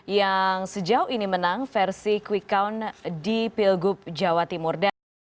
yang sejauh ini menang versi quick count di pilgub jawa timur